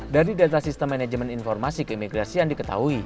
dari data sistem manajemen informasi keimigrasian diketahui